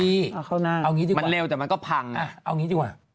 อ่าเข้าหน้าเอางี้ดีกว่ามันเร็วแต่มันก็พังอ่ะเอางี้ดีกว่า